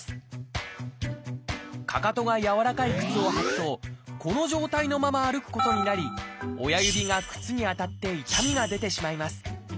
かかとが柔らかい靴を履くとこの状態のまま歩くことになり親指が靴に当たって痛みが出てしまいます。